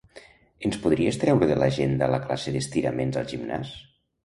Ens podries treure de l'agenda la classe d'estiraments al gimnàs?